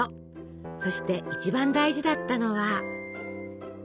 そして一番大事だったのは。